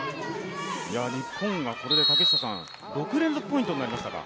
日本がこれで６連続ポイントになりましたか。